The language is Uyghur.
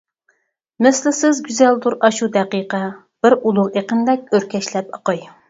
مىسلىسىز گۈزەلدۇر ئاشۇ دەقىقە، بىر ئۇلۇغ ئېقىندەك ئۆركەشلەپ ئاقاي.